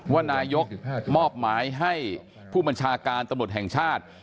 ว่านายกมอบหมายให้ผู้บัญชาการตำรวจแห่งชาติ